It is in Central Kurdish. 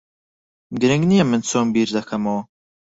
گرنگ نییە من چۆن بیر دەکەمەوە.